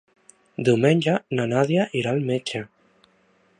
Diumenge na Nàdia irà al metge.